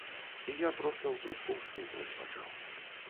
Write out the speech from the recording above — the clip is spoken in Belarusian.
І я проста ў трубку ўсхліпваць пачаў.